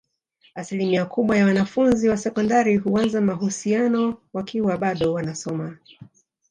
Asilimia kubwa ya wanafunzi wa sekondari huanza mahusiano wakiwa bado wanasoma